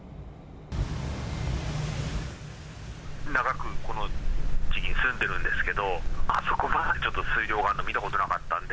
長くこの地に住んでるんですけど、あそこまでちょっと、水量があるのは見たことなかったんで。